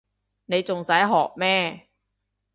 你仲使學咩